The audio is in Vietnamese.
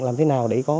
làm thế nào để có